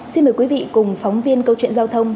xin mời quý vị cùng phóng viên câu chuyện giao thông